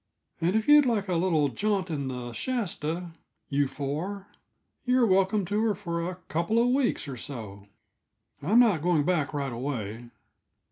And if you'd like a little jaunt in the Shasta, you four, you're welcome to her for a couple of weeks or so. I'm not going back right away.